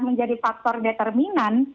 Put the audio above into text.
menjadi faktor determinan